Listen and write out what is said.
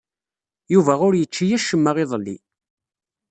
Yuba ur yečči acemma iḍelli.